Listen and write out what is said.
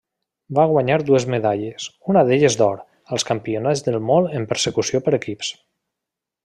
Va guanyar dues medalles, una d'elles d'or, als Campionats del món en Persecució per equips.